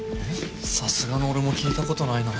さすがの俺も聞いたことないな。